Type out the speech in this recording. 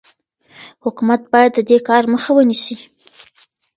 حکومت باید د دې کار مخه ونیسي.